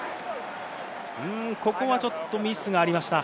ここはちょっとミスがありました。